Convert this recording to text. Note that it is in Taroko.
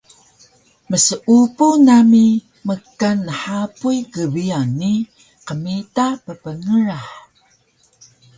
Mseupu nami mkan nhapuy gbiyan ni qmita ppngrah